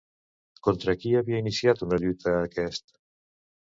Contra qui havia iniciat una lluita aquest?